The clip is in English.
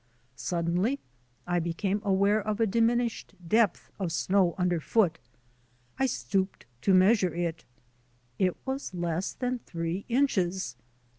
Suddenly I became aware of a diminished depth of snow underfoot. I stooped to measure it. It was less than three inches.